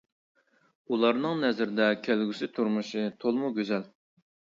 ئۇلارنىڭ نەزىرىدە كەلگۈسى تۇرمۇش تولىمۇ گۈزەل.